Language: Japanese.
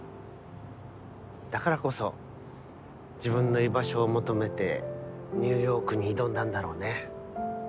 だからこそ自分の居場所を求めてニューヨークに挑んだんだろうね。